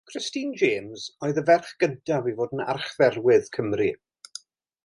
Christine James oedd y ferch gyntaf i fod yn Archdderwydd Cymru.